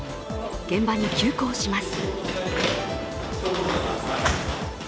現場に急行します。